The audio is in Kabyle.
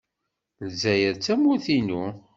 Lezzayer d tamurt-inu.